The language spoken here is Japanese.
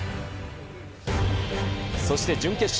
そして準決勝。